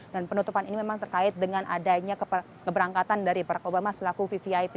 dan penutupan ini memang terkait dengan adanya keberangkatan dari barack obama selaku vivian